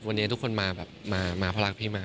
วันนี้ทุกคนมาแบบมาเพราะรักพี่มา